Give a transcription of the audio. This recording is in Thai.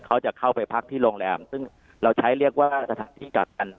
เขาจะเข้าไปพักที่โรงแรมซึ่งเราใช้เรียกว่าสถานที่กักกัน